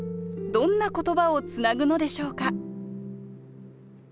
どんな言葉をつなぐのでしょうか？